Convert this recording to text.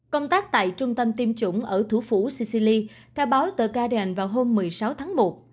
công tác tại trung tâm tiêm chủng ở thủ phủ sicily theo báo the guardian vào hôm một mươi sáu tháng một